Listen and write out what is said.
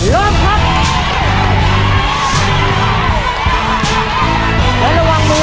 ลงครับ